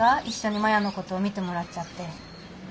一緒に摩耶のこと見てもらっちゃって。